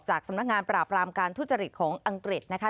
สำนักงานปราบรามการทุจริตของอังกฤษนะคะ